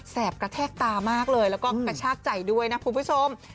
กระแทกตามากเลยแล้วก็กระชากใจด้วยนะคุณผู้ชม